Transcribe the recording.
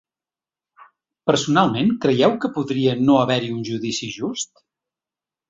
Personalment creieu que podria no haver-hi un judici just?